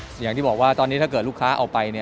อย่างที่บอกว่าตอนนี้ถ้าเกิดลูกค้าเอาไป